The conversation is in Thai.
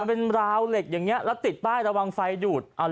มันเป็นราวเหล็กอย่างนี้แล้วติดป้ายระวังไฟดูด